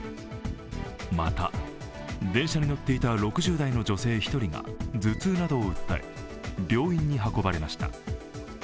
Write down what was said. また、電車に乗っていた６０代の女性一人が頭痛などを訴え病院に運ばれました。